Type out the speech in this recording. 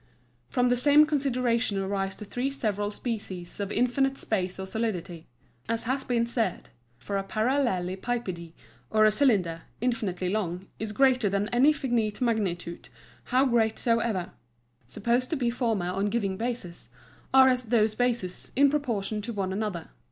From the same Consideration arise the Three several Species of infinite Space or Solidity, as has been said; for a Parallelepipede, or a Cylinder, infinitely long, is greater than any finite Magnitude how great soever; and all such Solids, supposed to be formed on given Bases, are as those Bases, in proportion to one another.